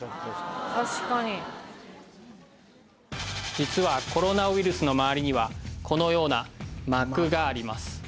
実はコロナウイルスのまわりにはこのような膜があります